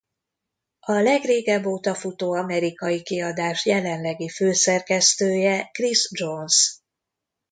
A legrégebb óta futó amerikai kiadás jelenlegi főszerkesztője Chris Johns.